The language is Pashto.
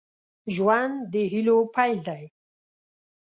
ژوند د هيلو پيل دی